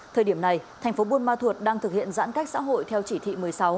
thời điểm này thành phố buôn ma thuột đang thực hiện giãn cách xã hội theo chỉ thị một mươi sáu